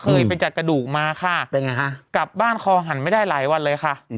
เคยไปจัดกระดูกมาค่ะเป็นไงฮะกลับบ้านคอหันไม่ได้หลายวันเลยค่ะ